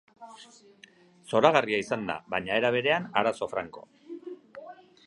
Zoragarria izan da, baina era berean, arazo franko.